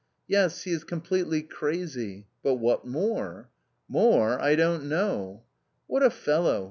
" Yes, he is completely crazy ! but what more ?"" More ! I don't know." " What a fellow